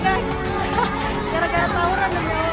gila gila kayaknya sampai berhenti